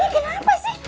ini kenapa sih